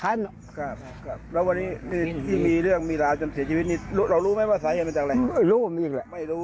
ครับครับแล้ววันนี้ที่มีเรื่องมีราวจนเสียชีวิตนี้เรารู้ไหมว่าสายมันเป็นจากไหนไม่รู้ว่ามีอีกแหละไม่รู้